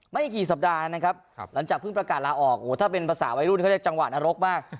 ไม่กี่สัปดาห์นะครับหลังจากเพิ่งประกาศลาออกถ้าเป็นภาษาวัยรุ่นเขาเรียกจังหวะนรกมาก